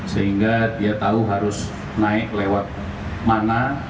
sehingga dia tahu harus naik lewat mana